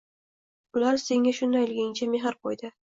Ular senga shundayligingcha mehr qo’ydi.